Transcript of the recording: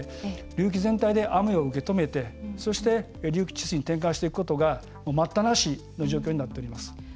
流域全体で雨を受け止めてそして、流域治水に転換していくことが待ったなしの状況になっています。